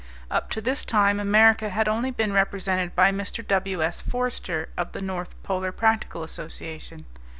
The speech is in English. Up to this time America had only been represented by Mr. W.S. Forster, of the North Polar Practical Association.